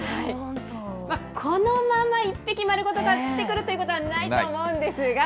このまま一匹丸ごと買ってくるということはないと思うんですが。